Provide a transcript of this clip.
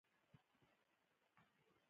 چې د تیلو یو ټانګ ته ور وګرځید.